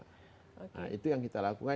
nah itu yang kita lakukan